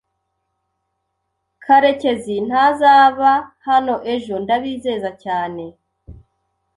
Karekezi ntazaba hano ejo. Ndabizeza cyane.